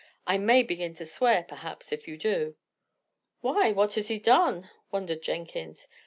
"I may begin to swear, perhaps, if you do." "Why, what has he done?" wondered Jenkins.